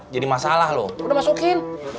jadi masalah loh udah masukin